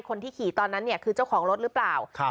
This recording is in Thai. คนที่ขี่ตอนนั้นเนี่ยคือเจ้าของรถหรือเปล่า